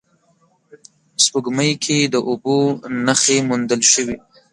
سپوږمۍ کې د اوبو نخښې موندل شوې